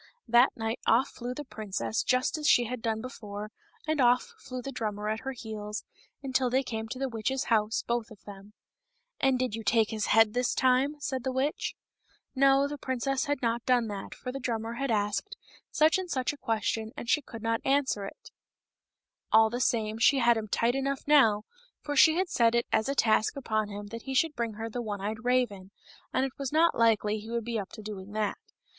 Well, that night off flew the princess just as she had done before, and off flew the drummer at her heels, until they came to the witch's house, both of them. " And did you take his head this time ?" said the witch. No, the princess had not done that, for the drummer had asked such and such a question, and she could not answer it ; all the same, she had 302 KING STORK. him tight enough now, for she had set it as a task upon him that he should bring her the one eyed raven, and it was not likely he would be up to doing that.